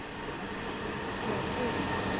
又问有何美句？